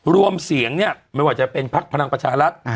รวมเสียงเนี่ยไม่ว่าจะเป็นภักดิ์พนักประชาลักษณ์